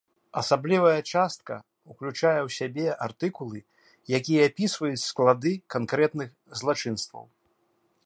Асаблівая частка ўключае ў сябе артыкулы, якія апісваюць склады канкрэтных злачынстваў.